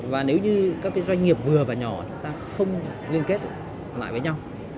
và nếu như các doanh nghiệp vừa và nhỏ chúng ta không liên kết lại với nhau